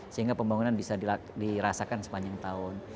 sehingga pembangunan bisa dirasakan sepanjang tahun